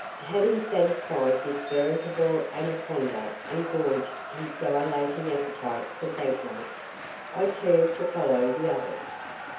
Having satisfied this veritable anaconda and gorged his dilating appetite for banknotes, I turned to follow the others.